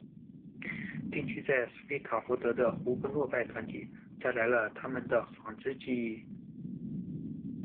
定居在斯皮塔佛德的胡格诺派团体带来了他们的纺织技艺。